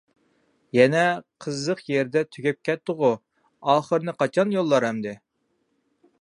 يەنە قىزىق يېرىدە تۈگەپ كەتتىغۇ؟ ئاخىرىنى قاچان يوللار ئەمدى؟